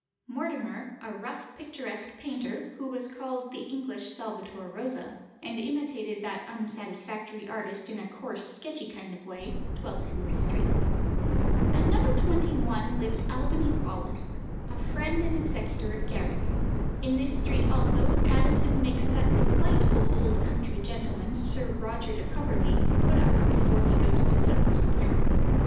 Mortimer, a rough, picturesque painter, who was called "the English Salvator Rosa," and imitated that unsatisfactory artist in a coarse, sketchy kind of way, dwelt in this street. At No. 21 lived Albany Wallis, a friend and executor of Garrick. In this street also Addison makes that delightful old country gentleman, Sir Roger de Coverley, put up before he goes to Soho Square.